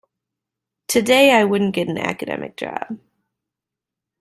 Today I wouldn't get an academic job.